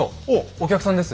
お客さんです。